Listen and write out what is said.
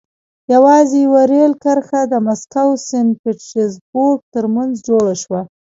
یوازې یوه رېل کرښه د مسکو سن پټزربورګ ترمنځ جوړه شوه.